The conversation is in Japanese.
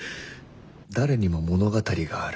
誰にも物語がある。